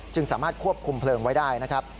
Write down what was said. สามารถควบคุมเพลิงไว้ได้นะครับ